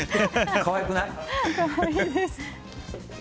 可愛いです。